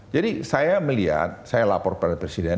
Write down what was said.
jadi saya melihat saya lapor pada presiden